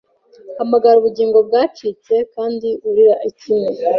Hamagara Ubugingo bwacitse kandi urira ikime